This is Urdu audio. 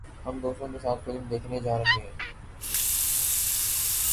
ہم دوستوں کے ساتھ فلم دیکھنے جا رہے ہیں